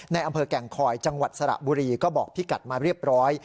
ในอำเภอแก่งคอยจังหวัดสระบุรีก็บอกพี่กัดมาเรียบร้อย